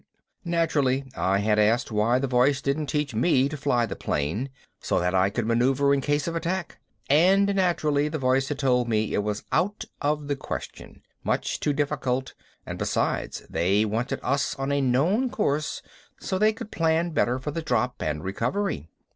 Naturally I had asked why didn't the voice teach me to fly the plane so that I could maneuver in case of attack, and naturally the voice had told me it was out of the question much too difficult and besides they wanted us on a known course so they could plan better for the drop and recovery.